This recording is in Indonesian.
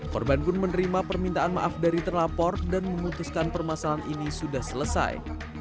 korban pun menerima permintaan maaf dari terlapor dan memutuskan permasalahan ini sudah selesai